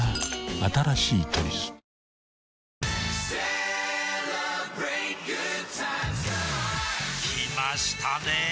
新しい「トリス」きましたね